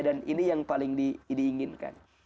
dan ini yang paling diinginkan